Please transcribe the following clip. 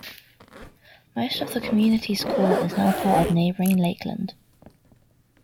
Most of the community's core is now part of neighboring Lakeland.